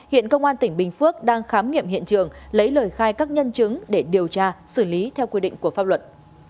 hiện công an tỉnh bình phước đang khám nghiệm hiện trường lấy lời khai các nhân chứng để điều tra xử lý theo quy định của pháp luật